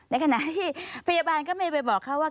ในขณะที่พยาบาลก็ไม่ไปบอกเขาว่า